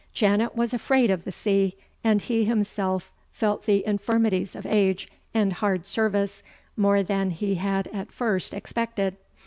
Janet was afraid of the sea, and he himself felt the infirmities of age and hard service more than he had at first expected.